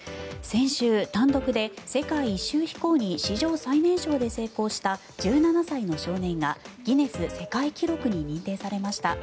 先週、単独で世界一周飛行に史上最年少で成功した１７歳の少年がギネス世界記録に認定されました。